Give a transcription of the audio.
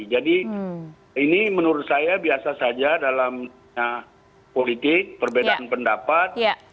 jadi ini menurut saya biasa saja dalam politik perbedaan pendapat